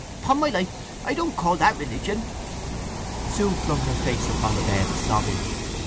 Upon my life I don't call that religion!" Sue flung her face upon the bed, sobbing.